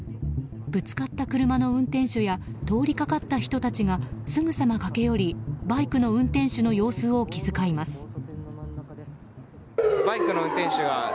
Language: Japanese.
ぶつかった車の運転手や通りがかった人たちがすぐさま駆け寄りバイクの運転手の様子を気遣います。